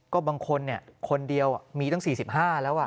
ก็บางคนคนเดียวมีตั้ง๔๕แล้ว